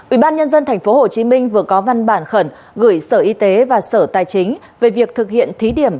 ủy ban nhân dân tp hcm vừa có văn bản khẩn gửi sở y tế và sở tài chính về việc thực hiện thí điểm